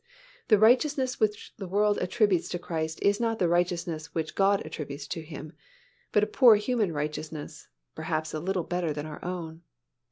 The righteousness which the world attributes to Christ is not the righteousness which God attributes to Him, but a poor human righteousness, perhaps a little better than our own.